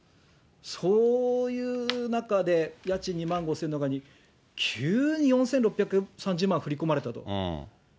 そういう中で、家賃２万５０００とか、急に４６３０万振り込まれたと。